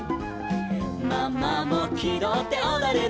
「ママもきどっておどるの」